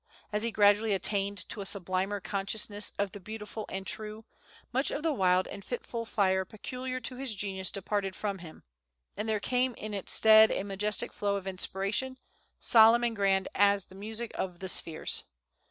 As he gradually attained to a sublimer consciousness of the beautiful and true, much of the wild and fitful fire peculiar to his genius departed from him, and there came in its stead a majestic flow of inspiration, solemn and grand as the music of the spheres.